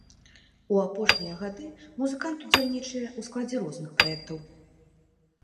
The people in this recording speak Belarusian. У апошнія гады музыкант удзельнічае ў складзе розных праектаў.